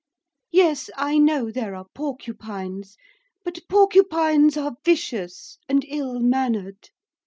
Yes, I know there are porcupines, but porcupines are vicious and ill mannered.